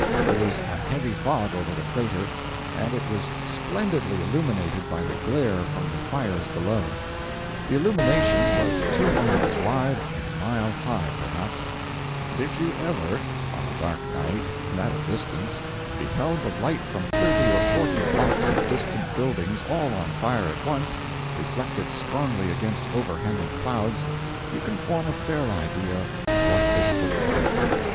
There was a heavy fog over the crater and it was splendidly illuminated by the glare from the fires below. The illumination was two miles wide and a mile high, perhaps; and if you ever, on a dark night and at a distance beheld the light from thirty or forty blocks of distant buildings all on fire at once, reflected strongly against over hanging clouds, you can form a fair idea of what this looked like.